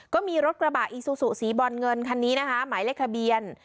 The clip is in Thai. ก็มีรถกระบะอีซูซูสีบอลเงินคันนี้นะคะหมายเลขทะเบียน